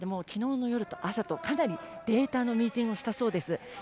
昨日の夜と朝とかなりデータのミーティングをしたそうです。